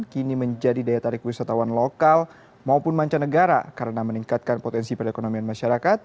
kini menjadi daya tarik wisatawan lokal maupun mancanegara karena meningkatkan potensi perekonomian masyarakat